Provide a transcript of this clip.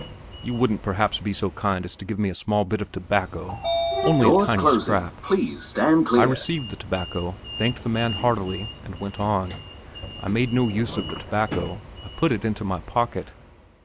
"You wouldn't perhaps be so kind as to give me a small bit of tobacco only just a tiny scrap?" I received the tobacco, thanked the man heartily, and went on. I made no use of the tobacco; I put it into my pocket.